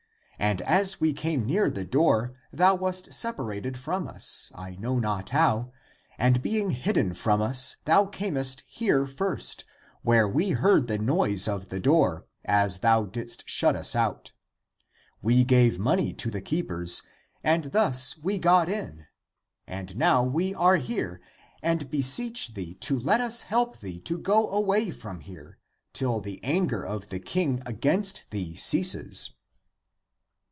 And as we came near the door, thou wast separated from us — I know not how — and being hidden from us, thou camest here first, where we heard the noise of the door, as thou didst shut us out. We gave money to the keepers and thus we got in, and now we are here and beseech thee to let us help thee to go away from here, till the anger of the king against thee ceases."